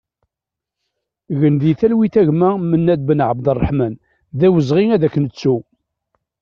Gen di talwit a gma Menad Benabderreḥman, d awezɣi ad k-nettu!